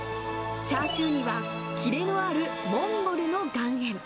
チャーシューには、キレのあるモンゴルの岩塩。